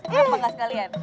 kenapa gak sekalian